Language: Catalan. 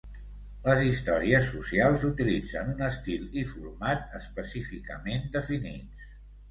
Les històries socials utilitzen un estil i format específicament definits.